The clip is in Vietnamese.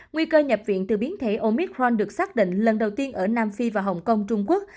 nguy cơ nhập viện từ biến thể omic ron được xác định lần đầu tiên ở nam phi và hồng kông trung quốc